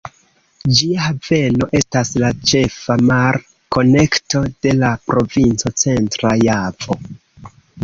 Ĝia haveno estas la ĉefa mar-konekto de la provinco Centra Javo.